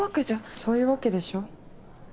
そういうわけでしょ。